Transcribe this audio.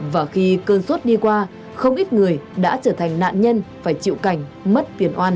và khi cơn suốt đi qua không ít người đã trở thành nạn nhân phải chịu cảnh mất